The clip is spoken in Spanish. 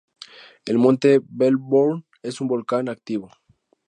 El monte Melbourne es un volcán activo.